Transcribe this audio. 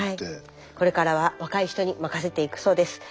これからは若い人に任せていくそうです。